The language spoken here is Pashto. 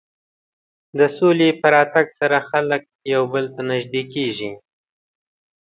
د سولې په راتګ سره خلک یو بل ته نژدې کېږي.